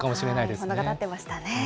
物語ってましたね。